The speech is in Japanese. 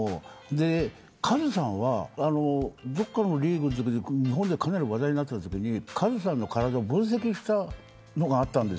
カズさんはどこかのリーグのときに日本で、かなり話題になったときカズさんの体を分析したのがあったんです。